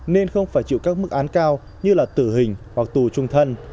nên không phải chịu các mức án cao như là tử hình hoặc tù trung thân